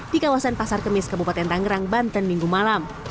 di kawasan pasar kemis kabupaten tangerang banten minggu malam